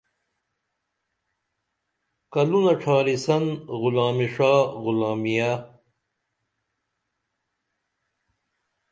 کلونہ ڇھاریسن غلامی ݜا غلامیہ